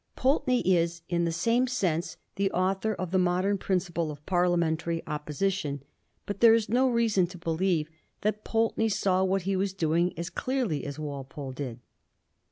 Pulteney is in the same sense the author of the modem principle of Parliamentary Opposition ; but there is no reason to believe that Pulteney saw what he was doing as clearly as Walpole did.